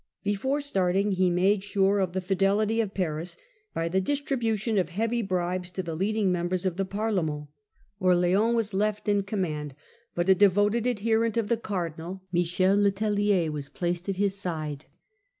Before start ing he made sure of the fidelity of Paris by the distribution of heavy bribes to the leading members of the Par lenient. Orleans was left in command, but a devoted adherent of the Cardinal, Michel le Tellier, was placed at his side.